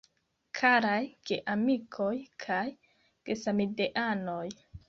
Karaj geamikoj kaj gesamideanoj.